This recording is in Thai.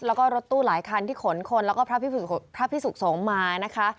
แล้วก็รถตู้หลายคันที่ขนคนแล้วก็พระพิสุขสงฆ์มานะคะ